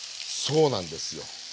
そうなんですよ。